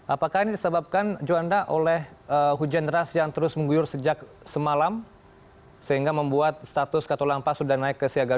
apakah ini disebabkan juanda oleh hujan deras yang terus mengguyur sejak semalam sehingga membuat status katolampa sudah naik ke siaga dua